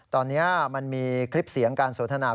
ตอนนี้มันมีคลิปเสียงการสนทนา